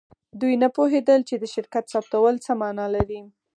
دوی نه پوهیدل چې د شرکت ثبتول څه معنی لري